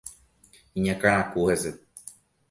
Iñakãraku hese.